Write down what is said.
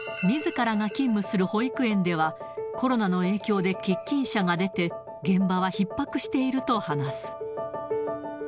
みずからが勤務する保育園では、コロナの影響で欠勤者が出て、現場はひっ迫していると話す。